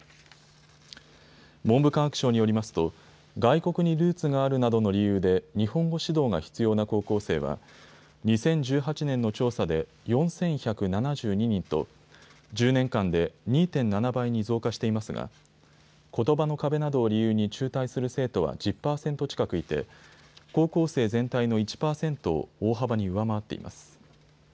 文部科学省によりますと外国にルーツがあるなどの理由で日本語指導が必要な高校生は２０１８年の調査で４１７２人と１０年間で２．７倍に増加していますがことばの壁などを理由に中退する生徒は１０％近くいて高校生全体の１％を大幅に上回っています。